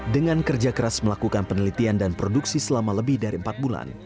dengan kerja keras melakukan penelitian dan produksi selama lebih dari empat bulan